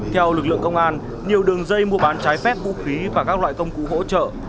theo lực lượng công an nhiều đường dây mua bán trái phép vũ khí và các loại công cụ hỗ trợ